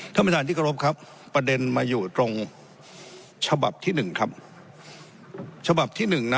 ท่านประธานที่กรมครับประเด็นมาอยู่ตรงฉบับที่๑ครับ